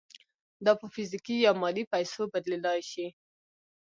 دا په فزیکي یا مادي پیسو بدلېدای شي